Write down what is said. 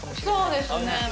そうですね。